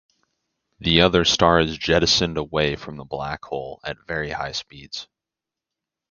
The other star is jettisoned away from the black hole at very high speeds.